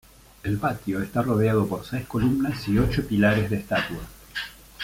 El patio está rodeado por seis columnas y ocho pilares de estatua.